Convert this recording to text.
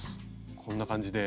こんな感じで。